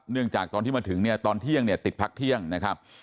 จากตอนที่มาถึงเนี่ยตอนเที่ยงเนี่ยติดพักเที่ยงนะครับ